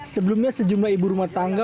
sebelumnya sejumlah ibu rumah tangga